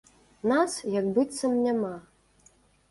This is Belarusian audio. Нас як быццам няма.